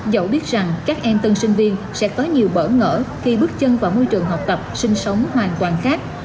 dẫu biết rằng các em tân sinh viên sẽ có nhiều bỡ ngỡ khi bước chân vào môi trường học tập sinh sống hoàn toàn khác